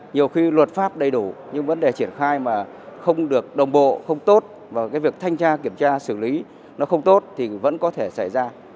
nhiều khi luật pháp đầy đủ nhưng vấn đề triển khai mà không được đồng bộ không tốt và cái việc thanh tra kiểm tra xử lý nó không tốt thì vẫn có thể xảy ra